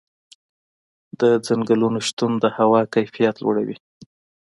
د ځنګلونو شتون د هوا کیفیت لوړوي.